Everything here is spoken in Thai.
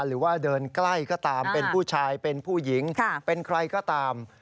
หรือว่าเดินใกล้ก็ตามเป็นผู้ชายเป็นผู้หญิงเป็นใครก็ตาม